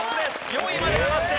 ４位まで上がって。